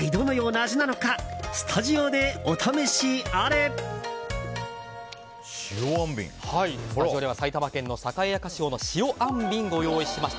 スタジオには埼玉県の栄屋菓子舗の塩あんびんをご用意しました。